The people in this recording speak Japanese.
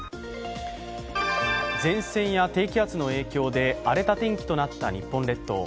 前線や低気圧の影響で荒れた天気となった日本列島。